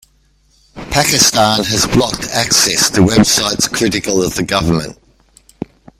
Pakistan has blocked access to websites critical of the government.